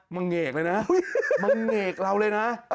มังเหงกเลยน่ะ